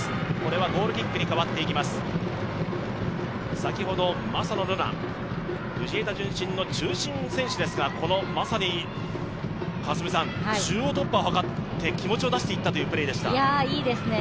先ほど、正野瑠菜藤枝順心の中心の選手ですがこのまさに中央突破を図って、気持ちを出してきたプレーでした。